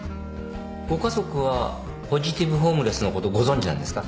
ご家族はポジティブホームレスのことご存じなんですか？